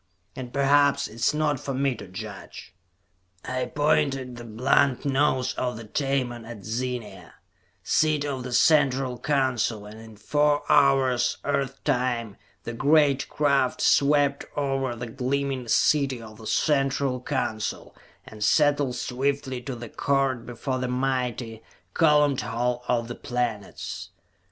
And perhaps it is not for me to judge. I pointed the blunt nose of the Tamon at Zenia, seat of the Central Council, and in four hours, Earth time, the great craft swept over the gleaming city of the Central Council and settled swiftly to the court before the mighty, columned Hall of the Planets.